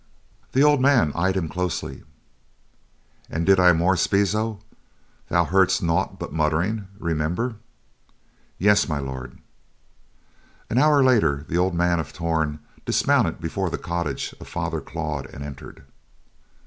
The old man eyed him closely. "An did I more, Spizo, thou heardst naught but muttering, remember." "Yes, My Lord." An hour later, the old man of Torn dismounted before the cottage of Father Claude and entered.